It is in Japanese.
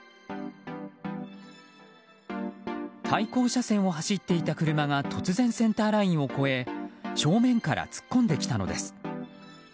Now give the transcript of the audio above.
対向車線を走っていた車が突然センターラインを越え正面から突っ込んできたのです。